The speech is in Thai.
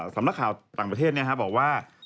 สำนักข่าวต่างประเทศบอกว่า